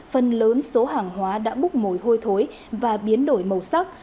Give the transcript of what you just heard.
phần lớn số hàng hóa đã búc mồi hôi thối và biến đổi màu sắc